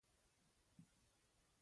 لکه دئ هسې به پاڅي که نادان وي که دانا